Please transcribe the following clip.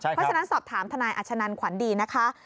เพราะฉะนั้นสอบถามทนายอัชนันขวัญดีนะคะ